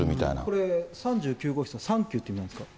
これ、３９号室って、サンキューって意味なんですか。